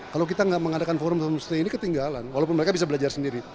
kalau kita tidak mengadakan forum homestay ini ketinggalan walaupun mereka bisa belajar sendiri